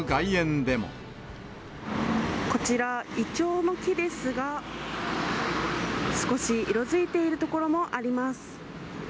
こちら、いちょうの木ですが、少し色づいているところもあります。